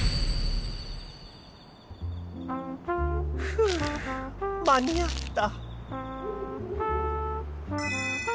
ふう間に合った。